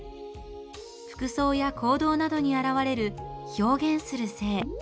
服装や行動などにあらわれる「表現する性」。